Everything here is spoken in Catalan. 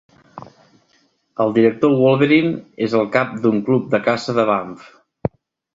El Director Wolverine és el cap d'un "Club de caça de Bamf".